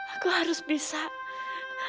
aku harus bisa